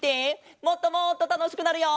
もっともっとたのしくなるよ！